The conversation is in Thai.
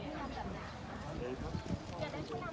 สวัสดีครับทุกคน